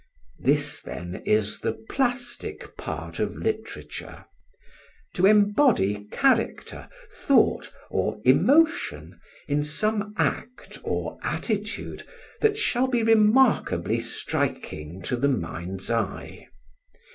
This, then, is the plastic part of literature: to embody character, thought, or emotion in some act or attitude that shall be remarkably striking to the mind's eye.